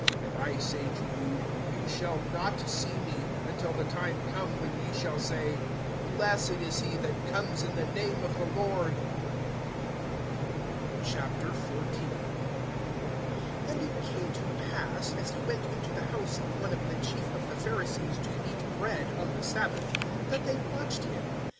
And I say to you: Ye shall not see me, until the time come when ye shall say, Blessed is he that comes in the name of the Lord. XIV. AND it came to pass, as he went into the house of one of the chief of the Pharisees to eat bread on the sabbath, that they watched him.